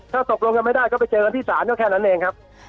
ถ้าตกลงกันไม่ได้ก็ไปเจอกันที่ศาลก็แค่นั้นเองครับ